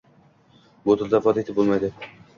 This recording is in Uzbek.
Bu tilda ifoda etib bo‘lmaydi.